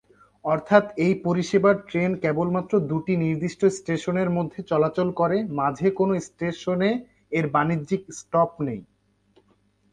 অর্থাৎ, এই পরিষেবায় ট্রেন কেবলমাত্র দুটি নির্দিষ্ট স্টেশনের মধ্যে চলাচল করে; মাঝে কোনো স্টেশনে এর বাণিজ্যিক স্টপ নেই।